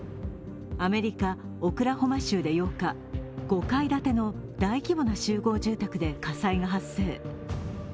アメリカ・オクラホマ州で８日５階建ての大規模な集合住宅で火災が発生。